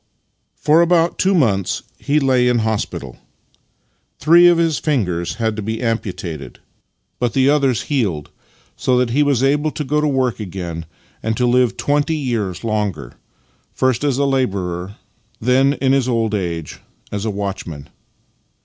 For about two months he lay in hospital. Three of his fingers had to be amputated, but the others 64 Master and Man healed, so that he was able to go to work again and to live twenty 3 ears longer — first as a labourer, and then, in his old age, as a watchman.